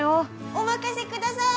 ・お任せください！